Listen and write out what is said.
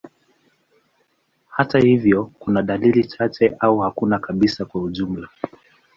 Hata hivyo, kuna dalili chache au hakuna kabisa kwa ujumla.